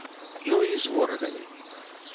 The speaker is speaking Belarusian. Ну, і з ворагамі.